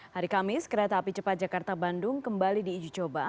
hari kamis kereta api cepat jakarta bandung kembali diuji coba